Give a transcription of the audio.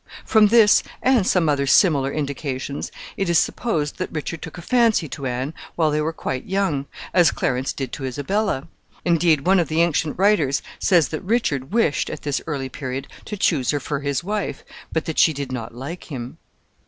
From this and some other similar indications, it is supposed that Richard took a fancy to Anne while they were quite young, as Clarence did to Isabella. Indeed, one of the ancient writers says that Richard wished, at this early period, to choose her for his wife, but that she did not like him.